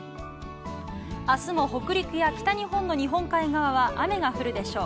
明日も北陸や北日本の日本海側は雨が降るでしょう。